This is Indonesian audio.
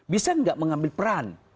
bisa tidak mengambil peran